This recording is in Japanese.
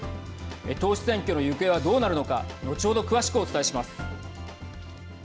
党首選挙の行方は、どうなるのか後ほど詳しくお伝えします。